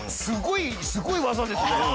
すごいすごい技ですね。